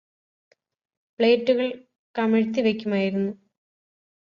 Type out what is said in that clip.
പ്ലേറ്റുകള് കമിഴ്തിവെക്കുമായിരുന്നു